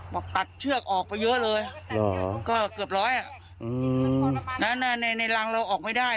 ปัดเชือกออกไปเยอะเลยก็เกือบร้อยอ่ะอืมแล้วในในรังเราออกไม่ได้